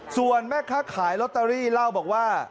ส่วนแม่ค้าขายลอตเตอรี่เล่าบอกว่า